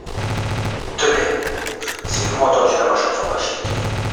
Tenez, si vous m’entendiez dans ma chanson bachique !